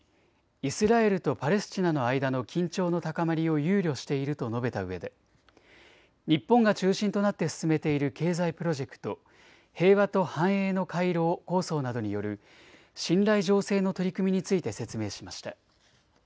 イスラエルとパレスチナの間の緊張の高まりを憂慮していると述べたうえで日本が中心となって進めている経済プロジェクト、平和と繁栄の回廊構想などによる信頼醸成の取り組みについて説明しました。